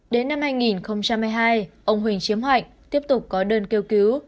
đến năm hai nghìn một mươi hai ông huỳnh chiếm hạnh tiếp tục có đơn kêu cứu